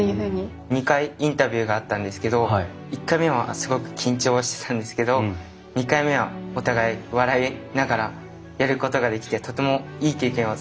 ２回インタビューがあったんですけど１回目はすごく緊張してたんですけど２回目はお互い笑いながらやることができてとてもいい経験をすることができました。